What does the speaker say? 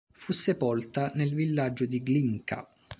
Fu sepolta nel villaggio di Glinka.